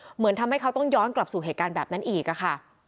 เหมือนทำให้เขาต้องย้อนกลับสู่เหตุการณ์แบบนั้นอีกค่ะ